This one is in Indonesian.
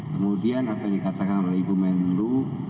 kemudian apa yang dikatakan oleh ibu menlu